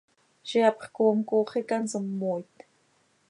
Ziix hapx coom cooxi quih hanso mmooit.